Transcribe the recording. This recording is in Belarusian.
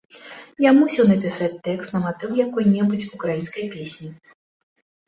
Я мусіў напісаць тэкст на матыў якой-небудзь украінскай песні.